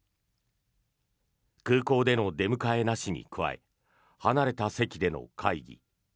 空港での出迎えなしに加え離れた席での会議。